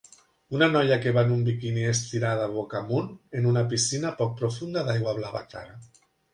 Una noia que va un biquini estirada boca amunt en una piscina poc profunda d'aigua blava clara.